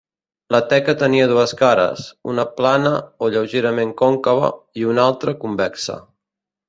La teca tenia dues cares, una plana o lleugerament còncava i una altra convexa.